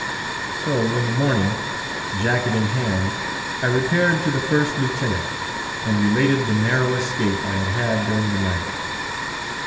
So in the morning, jacket in hand, I repaired to the First Lieutenant, and related the narrow escape I had had during the night.